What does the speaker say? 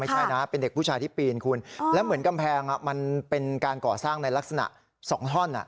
ไม่ใช่นะเป็นเด็กผู้ชายที่ปีนคุณแล้วเหมือนกำแพงมันเป็นการก่อสร้างในลักษณะ๒ท่อน